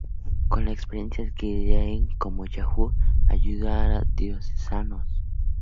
Con la experiencia adquirida en Comayagua ayudó a los diocesanos.